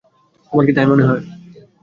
তোমার কি তাই মনে হয়?